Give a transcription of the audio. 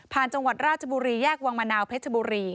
จังหวัดราชบุรีแยกวังมะนาวเพชรบุรี